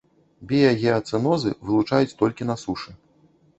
Біягеацэнозы вылучаюць толькі на сушы.